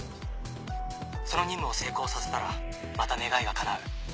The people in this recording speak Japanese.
その任務を成功させたらまた願いが叶う。